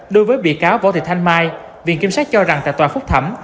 đối với bị cáo võ thị thanh mai viện kiểm soát cho rằng tại tòa phục thẩm